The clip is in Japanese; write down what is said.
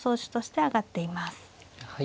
はい。